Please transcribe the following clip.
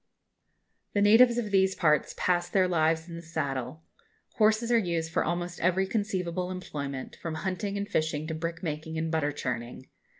The natives of these parts pass their lives in the saddle. Horses are used for almost every conceivable employment, from hunting and fishing to brick making and butter churning.